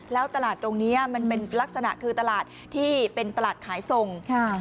แล้วตลาดตรงนี้มันเป็นลักษณะคือตลาดที่เป็นตลาดขายส่งค่ะ